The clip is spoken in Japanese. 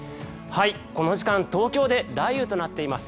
この時間東京で雷雨となっています。